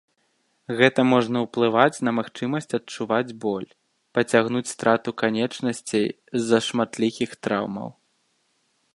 Гэта можа ўплываць на магчымасць адчуваць боль, пацягнуць страту канечнасцей з-за шматлікіх траўмаў.